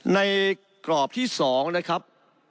กรอบที่๒นะครับ